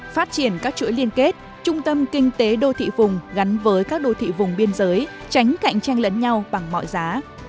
phát triển các chuỗi liên kết trung tâm kinh tế đô thị vùng gắn với các đô thị vùng biên giới tránh cạnh tranh lẫn nhau bằng mọi giá